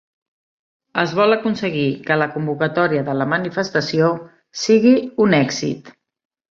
Es vol aconseguir que la convocatòria de la manifestació sigui un èxit